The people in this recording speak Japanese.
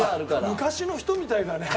昔の人みたいだね。